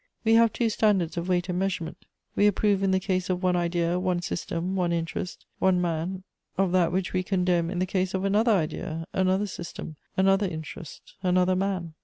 We have two standards of weight and measurement: we approve in the case of one idea, one system, one interest, one man of that which we condemn in the case of another idea, another system, another interest, another man.